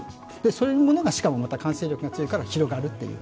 そういうものがしかも感染力が強いから広がってくる。